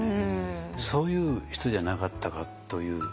そういう人じゃなかったかという。